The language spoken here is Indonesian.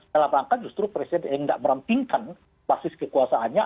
dalam rangka justru presiden yang tidak merampingkan basis kekuasaannya